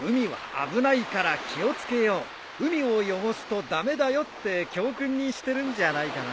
海を汚すと駄目だよって教訓にしてるんじゃないかな。